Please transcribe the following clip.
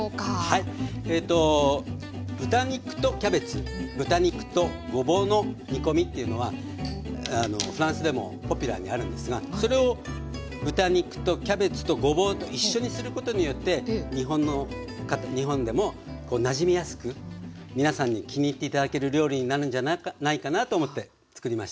はい豚肉とキャベツ豚肉とごぼうの煮込みっていうのはフランスでもポピュラーにあるんですがそれを豚肉とキャベツとごぼうと一緒にすることによって日本でもなじみやすく皆さんに気に入って頂ける料理になるんじゃないかなと思ってつくりました。